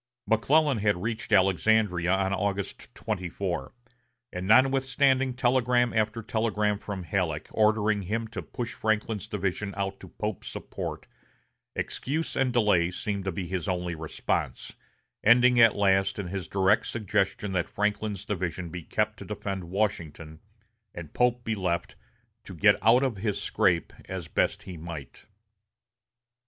McClellan had reached Alexandria on August 24; and notwithstanding telegram after telegram from Halleck, ordering him to push Franklin's division out to Pope's support, excuse and delay seemed to be his only response, ending at last in his direct suggestion that Franklin's division be kept to defend Washington, and Pope be left to "get out of his scrape" as best he might.